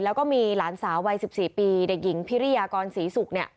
แล้วก็มีหลานสาววัย๑๔ปีเด็กหญิงพิริยากรศรีศุกร์